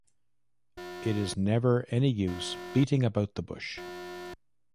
It is never any use beating about the bush.